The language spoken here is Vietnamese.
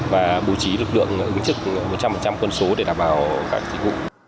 và bố trí lực lượng ứng chức một trăm linh quân số để đảm bảo các thiết bị